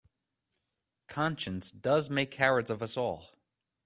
Conscience does make cowards of us all